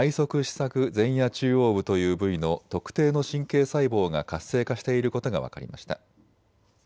索前野中央部という部位の特定の神経細胞が活性化していることが分かりました。